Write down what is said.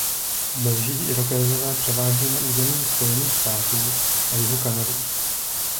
Dnes žijí Irokézové převážně na území Spojených států a jihu Kanady.